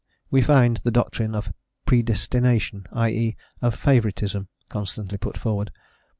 We find the doctrine of predestination, i.e., of favouritism, constantly put forward.